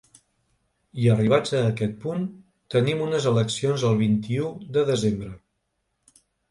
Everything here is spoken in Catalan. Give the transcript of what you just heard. I arribats a aquest punt tenim unes eleccions el vint-i-u de desembre.